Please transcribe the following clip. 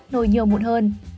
nồi nhiều mụn hơn